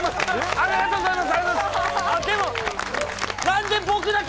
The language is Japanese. ありがとうございます。